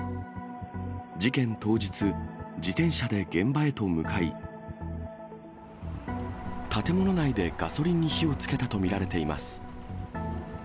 事件当日、自転車で現場へと向かい、建物内でガソリンに火をつけたと見られています。